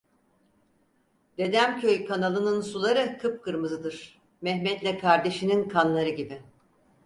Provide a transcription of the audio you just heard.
Dedemköy kanalının suları kıpkırmızıdır: Mehmet'le kardeşinin kanları gibi.